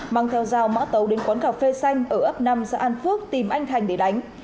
mang theo dao mã tấu đến quán cà phê xanh ở ấp năm xã an phước tìm anh thành để đánh